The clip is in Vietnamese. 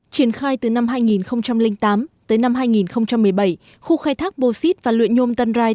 triển khai từ năm hai nghìn tám tới năm hai nghìn một mươi bảy khu khai thác bô xít và luyện nhôm tân rai